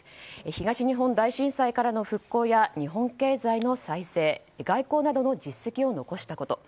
東日本大震災からの復興や日本経済の再生外交などの実績を残したこと。